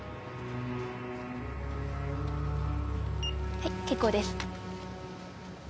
はい結構です。